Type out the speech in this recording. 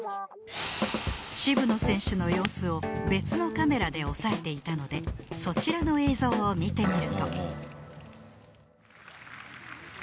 渋野選手の様子を別のカメラで押さえていたのでそちらの映像を見てみると